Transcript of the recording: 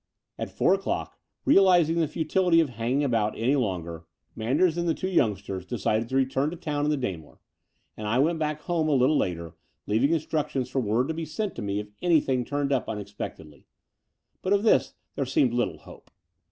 At four o'clock, realizing the futility of hanging about any longer, Manders and the two yoimgsters 54 The Door of the Unreal decided to return to town in the Daimler; and I went back home a little later, leaving instructions for word to be sent to me if anything turned up unexpectedly. But of this there seemed little hope.